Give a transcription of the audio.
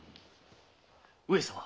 上様。